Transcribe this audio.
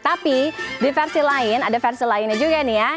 tapi di versi lain ada versi lainnya juga nih ya